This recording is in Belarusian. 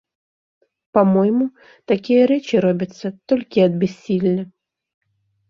Па-мойму, такія рэчы робяцца толькі ад бяссілля.